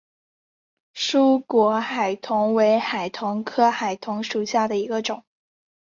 疏果海桐为海桐科海桐属下的一个种。